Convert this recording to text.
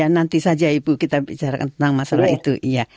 nanti saja ibu kita bicara tentang masalah itu